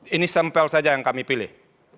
ini sampel saja yang kami pilih